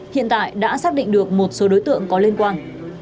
hiện tại đã xác định được một số đối tượng có liên quan